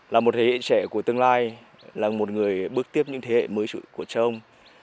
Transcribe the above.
là một thế hệ trẻ của tương lai là một người bước tiếp những thế hệ mới của chồng